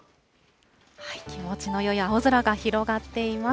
気持ちのよい青空が広がっています。